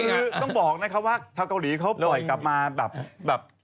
คือต้องบอกนะครับว่าชาวกาหลีเขาปล่อยกลับเราอัยสมบูรณ์ดีดี